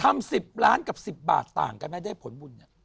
ทำ๑๐ล้านกับ๑๐บาทต่างกันนะได้ผลบุญ